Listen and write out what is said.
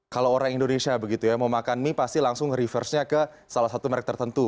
kalau orang indonesia begitu ya mau makan mie pasti langsung reverse nya ke salah satu merek tertentu